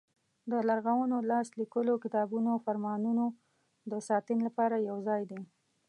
د لرغونو لاس لیکلو کتابونو او فرمانونو د ساتنې لپاره یو ځای دی.